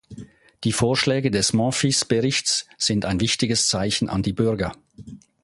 Die Vorschläge des Monfils-Berichts sind ein wichtiges Zeichen an die Bürger.